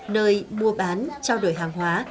nơi mua bán trao đổi hàng hóa